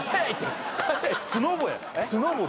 スノボや。